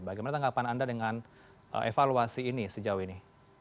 bagaimana tanggapan anda dengan evaluasi ini sejauh ini